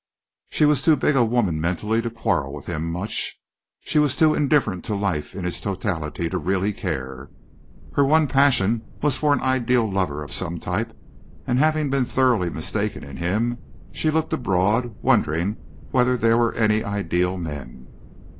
She was too big a woman mentally to quarrel with him much. She was too indifferent to life in its totality to really care. Her one passion was for an ideal lover of some type, and having been thoroughly mistaken in him she looked abroad wondering whether there were any ideal men.